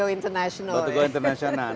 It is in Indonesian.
ini udah go international ya